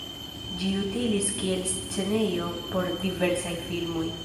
Ĝi utilis kiel scenejo por diversaj filmoj.